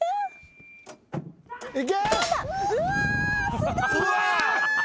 いけ！